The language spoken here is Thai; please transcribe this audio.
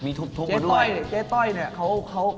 มีทุบมาด้วยนะครับเจ๊ต้อยเจ๊ต้อยเนี่ย